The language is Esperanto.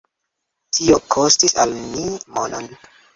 Tio kostis al ni monon.